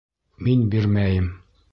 — Мин бирмәйем.